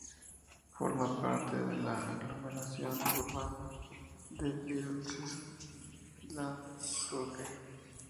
Forma parte de la aglomeración urbana de L'Isle-sur-la-Sorgue